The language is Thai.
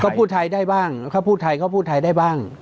เขาพูดไทยได้บ้างเขาพูดไทยเขาพูดไทยได้บ้าง